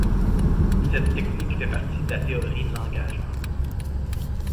Cette technique fait partie de la théorie de l'engagement.